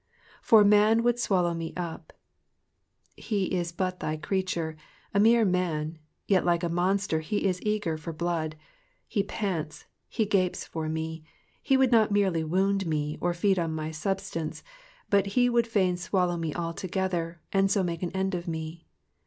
'''For man would swallow me «p." He 18 but thy creature, a mere man, yet Uke a monster he is eager for blood, he pants, he gapes for me ; he would not merely wound me, or feed on my substance, but he would fain swallow me altogether, and so make an end of me.